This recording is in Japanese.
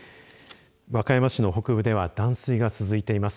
和歌山市の北部では断水が続いています。